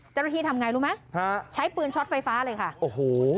เจ้าหน้าที่ทำไงรู้ไหมฮะใช้ปืนช็อตไฟฟ้าเลยค่ะโอ้โห